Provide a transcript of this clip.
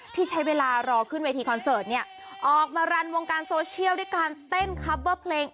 ที่ใช้เวลารอขึ้นเวทีคอนเสิร์ตเนี่ยออกมารันวงการโซเชียลด้วยการเต้นคับเวอร์เพลง